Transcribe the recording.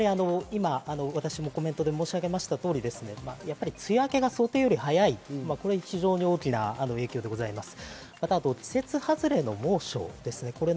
今、私もコメントで申し上げましたとおり、梅雨明けが想定より早い、これが非常に大きな影響です。